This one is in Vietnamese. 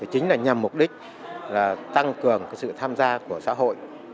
chính là nhằm mục đích tăng cường sự tham gia của xã hội